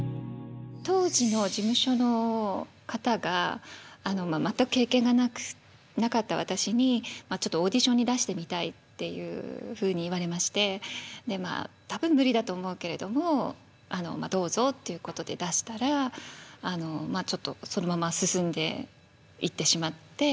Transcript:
当時の事務所の方が全く経験がなかった私にちょっとオーディションに出してみたいっていうふうに言われましてまあ多分無理だと思うけれどもどうぞってことで出したらちょっとそのまま進んでいってしまって。